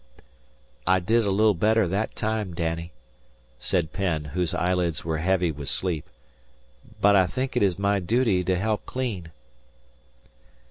"I did a little better that time, Danny," said Penn, whose eyelids were heavy with sleep. "But I think it is my duty to help clean."